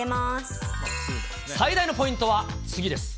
最大のポイントは次です。